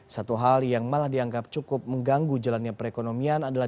satu hal yang malah dianggap cukup mengganggu jalannya perekonomian adalah